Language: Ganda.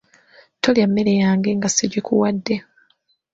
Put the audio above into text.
Tolya emmere yange nga sigikuwadde.